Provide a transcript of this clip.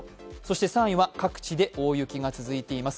３位は各地で大雪が続いています。